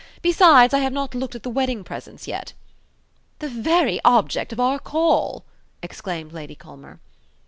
Besides, I have not looked at the wedding presents yet." "The very object of our call!" exclaimed Lady Culmer.